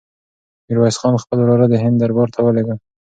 میرویس خان خپل وراره د هند دربار ته ولېږه.